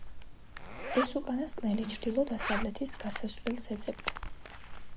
ეს უკანასკნელი ჩრდილო-დასავლეთის გასასვლელს ეძებდა.